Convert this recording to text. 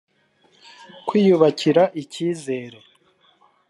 kwiyubakira ikizere